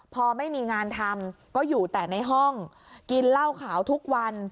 พอไม่มีงานทำก็อยู่แต่ในห้องกินเหล้าขาวทุกวัน